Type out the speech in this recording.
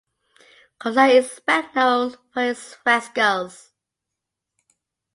Cossa is best known for his frescoes.